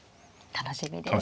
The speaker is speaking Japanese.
楽しみです。